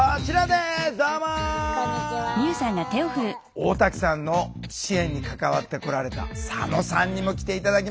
大滝さんの支援に関わってこられた佐野さんにも来て頂きました。